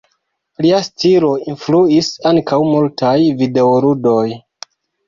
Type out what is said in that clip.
Lia stilo influis ankaŭ multaj videoludoj.